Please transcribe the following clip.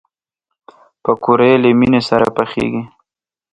پکورې له مینې سره پخېږي